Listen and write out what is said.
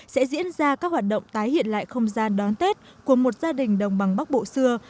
sẽ diễn ra các hoạt động tái hiện lại không gian đón tết của một gia đình đồng bằng bắc bộ xưa